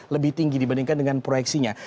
lebih tinggi dibandingkan dengan proyeksinya